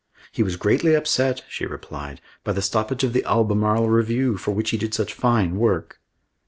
"He was greatly upset," she replied, "by the stoppage of The Albemarle Review for which he did such fine work."